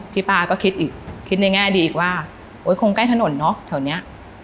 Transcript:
ป้าก็คิดอีกคิดในแง่ดีอีกว่าคงใกล้ถนนเนอะแถวนี้